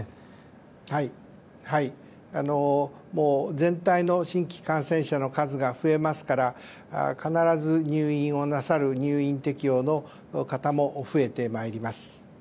全体の新規感染者の数が増えますから必ず入院をなさる入院適用の方も増えてまいります。